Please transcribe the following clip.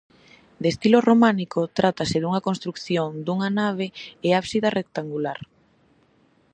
De estilo románico, trátase dunha construción dunha nave e ábsida rectangular.